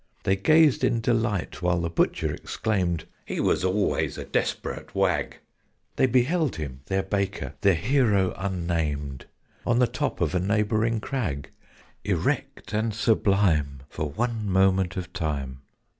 They gazed in delight, while the Butcher exclaimed "He was always a desperate wag!" They beheld him their Baker their hero unnamed On the top of a neighbouring crag, Erect and sublime, for one moment of time.